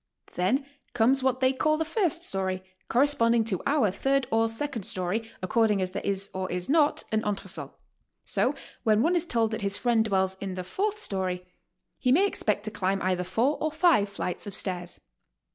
Then comes what they call the first story, corre sponding to our third or second story, according as there is or is not an entresol. So when one is told that his friend dwells in the fourth story, he may expect to climb either four or five flights of stairs.